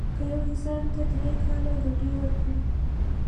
که یو انسان ته درې کاله ډوډۍ ورکړه.